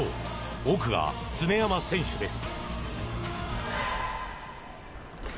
奥が常山選手です。